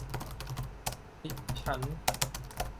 ดิฉัน